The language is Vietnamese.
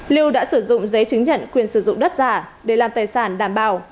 lưu đã sử dụng giấy chứng nhận quyền sử dụng đất giả để làm tài sản đảm bảo